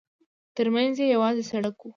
ترمنځ یې یوازې سړک و.